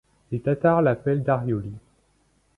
Les Tatars l'appellent Darioly.